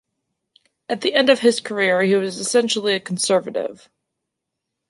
At the end of his career, he was essentially a Conservative.